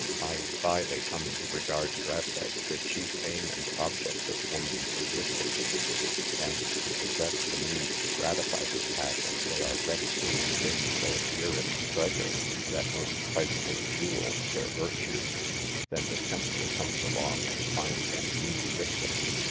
By and by they come to regard dress as the chief aim and ob ject of woman's existence ; and to possess the means to gratify this passion, they are ready to exchange their dearest treasure, — that most priceless jewel, their virtue. Then the tempter comes along, and finds an easy victim.